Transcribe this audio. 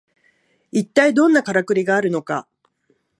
いったいどんなカラクリがあるのか